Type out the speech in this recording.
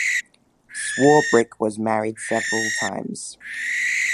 Swarbrick was married several times.